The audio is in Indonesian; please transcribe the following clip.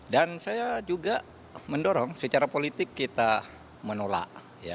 dan saya juga mendorong secara politik kita menolak